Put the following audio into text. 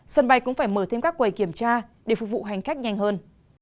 sân bay cũng phải mở thêm các quầy kiểm tra để phục vụ hành khách nhanh hơn